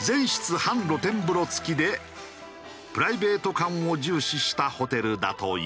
全室半露天風呂付きでプライベート感を重視したホテルだという。